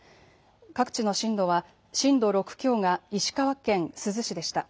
各地の震度は震度６強が石川県珠洲市でした。